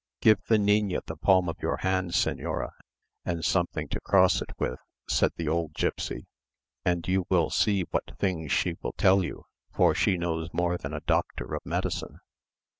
"Give the niña the palm of your hand, señora, and something to cross it with," said the old gipsy; "and you will see what things she will tell you, for she knows more than a doctor of medicine."